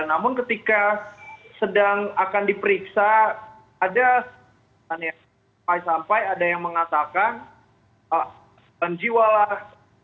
namun ketika sedang akan diperiksa ada sampai sampai ada yang mengatakan benjiwalah ini tiba tiba begini